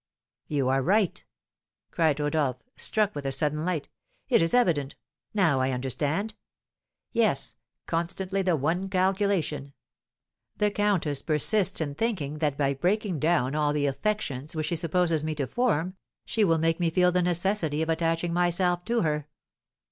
"You are right!" cried Rodolph, struck with a sudden light, "it is evident now I understand. Yes, constantly the one calculation. The countess persists in thinking that by breaking down all the affections which she supposes me to form, she will make me feel the necessity of attaching myself to her.